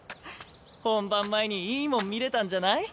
本番前にいいもん見れたんじゃない？